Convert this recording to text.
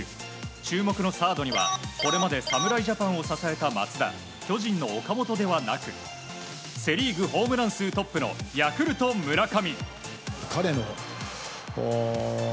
注目のサードにはこれまで侍ジャパンを支えた松田巨人の岡本ではなくセ・リーグホームラン数トップのヤクルト、村上。